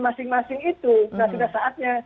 masing masing itu nah sudah saatnya